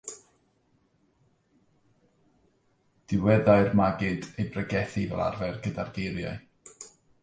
Diweddai'r maggid ei bregethu fel arfer gyda'r geiriau.